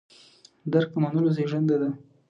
درک د منلو زېږنده ده.